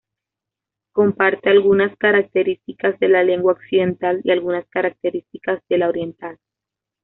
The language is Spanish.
Comparte algunas características de la lengua occidental y algunas características de la oriental.